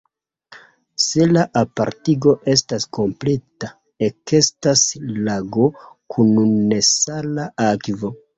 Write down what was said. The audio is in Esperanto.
Se la apartigo estas kompleta, ekestas lago kun nesala akvo.